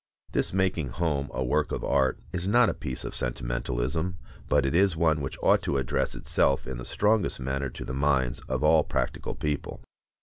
This making home a work of art is not a piece of sentimentalism, but it is one which ought to address itself in the strongest manner to the minds of all practical people.